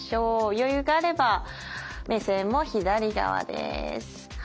余裕があれば目線も左側です。